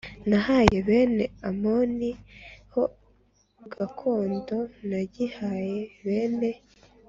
nahaye bene Amoni ho gakondo; nagihaye bene